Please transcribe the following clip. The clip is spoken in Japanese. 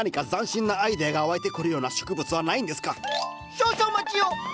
少々お待ちを！